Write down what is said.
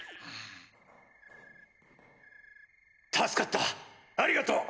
助かったありがとう！